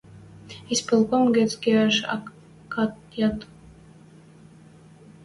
Исполком гӹц кеӓш акат яд...